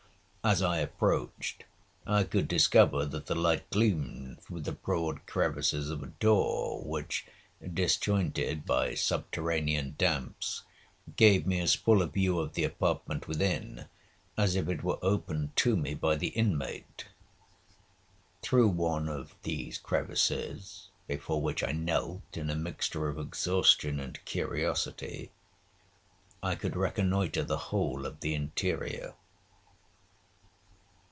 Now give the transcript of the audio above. As I approached, I could discover that the light gleamed through the broad crevices of a door, which, disjointed by subterranean damps, gave me as full a view of the apartment within, as if it were opened to me by the inmate. Through one of these crevices, before which I knelt in a mixture of exhaustion and curiosity, I could reconnoitre the whole of the interior.